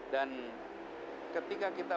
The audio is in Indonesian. dan ketika kita